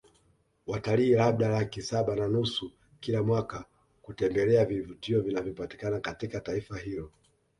Watalii labda laki saba na nusu kila mwaka kutembelea vivutio vinavyopatikana katika taifa hilo